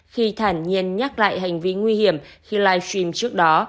khi thản nhiên nhắc lại hành vi nguy hiểm khi livestream trước đó